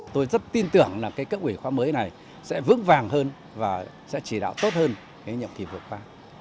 tôi rất tin tưởng là cấp ủy khoa mới này sẽ vướng vàng hơn và sẽ chỉ đạo tốt hơn những nhậm kỳ vượt qua